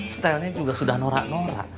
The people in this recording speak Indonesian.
stylenya juga daftar